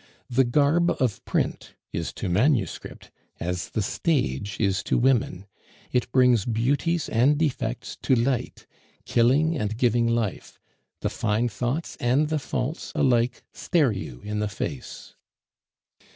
The garb of print is to manuscript as the stage is to women; it brings beauties and defects to light, killing and giving life; the fine thoughts and the faults alike stare you in the face.